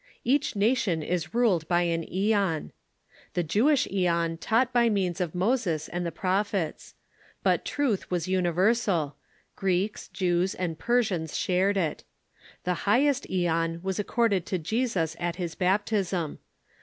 Each nation is ruled by an a^on. The Jewish neon taught by means of Mo ses and the prophets. But truth Avas universal — Greeks, Jews, and Persians shared it. The highest aeon was accorded to Je sus at his baptism.